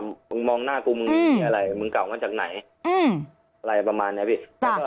มึงมองหน้ากูมึงมีอะไรมึงเก่ามาจากไหนอะไรประมาณนี้พี่